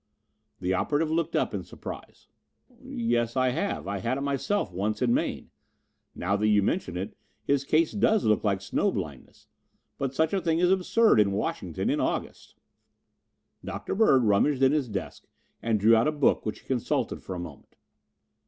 The operative looked up in surprise. "Yes, I have. I had it myself once in Maine. Now that you mention it, his case does look like snow blindness, but such a thing is absurd in Washington in August." Dr. Bird rummaged in his desk and drew out a book, which he consulted for a moment.